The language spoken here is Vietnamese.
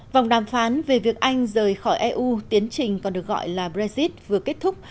vòng đàm phán về việc anh rời khỏi eu tiến trình còn được gọi là brexit vừa kết thúc